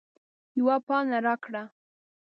یوه پاڼه راکړه